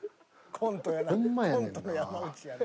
コントの山内やな。